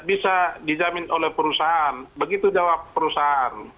bisa dijamin oleh perusahaan begitu jawab perusahaan